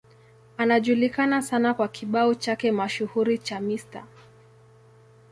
Anajulikana sana kwa kibao chake mashuhuri cha Mr.